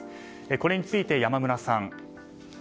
これについて山村さん